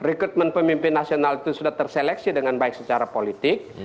karena komitmen pemimpin nasional itu sudah terseleksi dengan baik secara politik